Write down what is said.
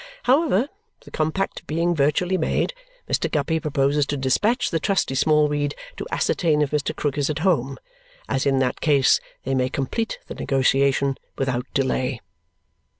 However, the compact being virtually made, Mr. Guppy proposes to dispatch the trusty Smallweed to ascertain if Mr. Krook is at home, as in that case they may complete the negotiation without delay.